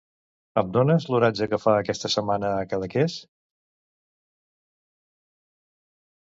Em dones l'oratge que fa aquesta setmana a Cadaqués?